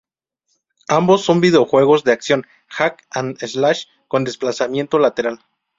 Ambos son videojuegos de acción hack-and-slash con desplazamiento lateral.